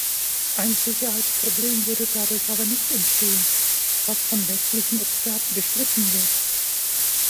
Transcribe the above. Ein Sicherheitsproblem würde dadurch aber nicht entstehen, was von westlichen Experten bestritten wird.